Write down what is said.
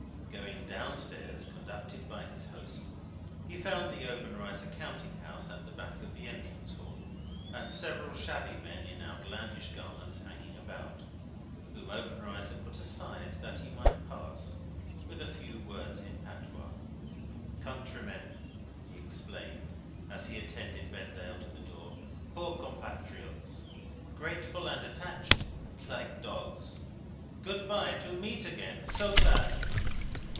Going down stairs, conducted by his host, he found the Obenreizer counting house at the back of the entrance hall, and several shabby men in outlandish garments hanging about, whom Obenreizer put aside that he might pass, with a few words in patois. "Countrymen," he explained, as he attended Vendale to the door. "Poor compatriots. Grateful and attached, like dogs! Good bye. To meet again. So glad!"